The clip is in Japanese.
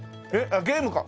ゲームか！